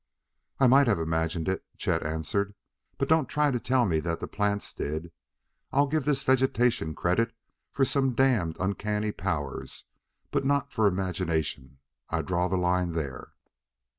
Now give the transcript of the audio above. "I might have imagined it," Chet answered, "but don't try to tell me that the plants did. I'll give this vegetation credit for some damned uncanny powers but not for imagination I draw the line there."